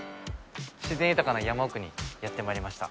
自然豊かな山奥にやってまいりました。